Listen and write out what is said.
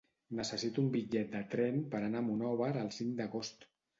Necessito un bitllet de tren per anar a Monòver el cinc d'agost.